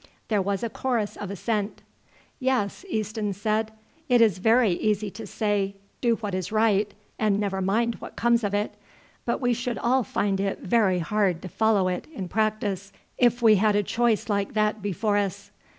There was a chorus of assent. "Yes," Easton said, "it is very easy to say 'Do what is right and never mind what comes of it;' but we should all find it very hard to follow it in practice if we had a choice like that before us.